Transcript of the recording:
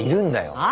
ああ？